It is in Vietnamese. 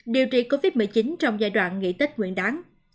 điều trị covid một mươi chín trong giai đoạn nghỉ tích nguyện đáng